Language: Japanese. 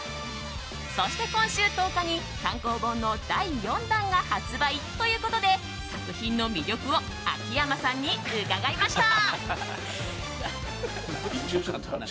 そして今週１０日に単行本の第４弾が発売ということで、作品の魅力を秋山さんに伺いました。